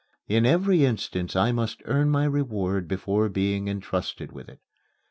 In every instance I must earn my reward before being entrusted with it.